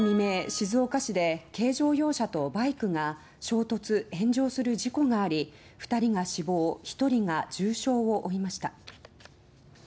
静岡市で軽乗用車とバイクが衝突、炎上する事故があり２人が死亡１人が重傷を負いました。